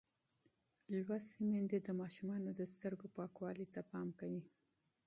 لوستې میندې د ماشومانو د سترګو پاکوالي ته پام کوي.